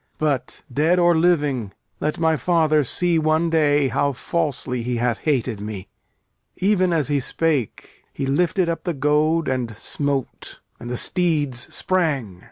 But, dead or living, let my Father see One day, how falsely he hath hated me!" Even as he spake, he lifted up the goad And smote; and the steeds sprang.